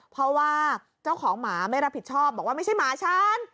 เพราะว่าเจ้าของหมาไม่รับผิดชอบบอกว่าไม่ใช่หมาฉัน